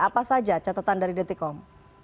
apa saja catatan dari detik com